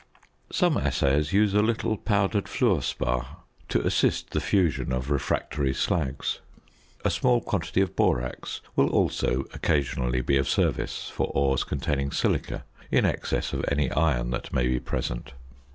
Some assayers use a little powdered fluor spar to assist the fusion of refractory slags. A small quantity of borax will also occasionally be of service for ores containing silica in excess of any iron that may be present.